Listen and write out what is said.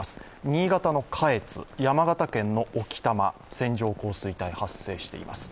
新潟の下越、山形県の置賜、線状降水帯、発生しています。